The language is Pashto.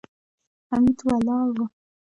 حميد ولاړ و.